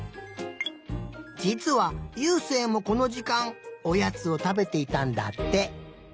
じつはゆうせいもこのじかんおやつをたべていたんだって。